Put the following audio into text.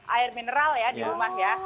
air mineral ya di rumah ya